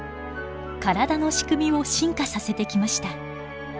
体の仕組みを進化させてきました。